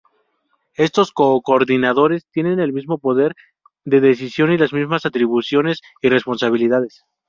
Estos co-coordinadores tienen el mismo poder de decisión y las mismas atribuciones y responsabilidades.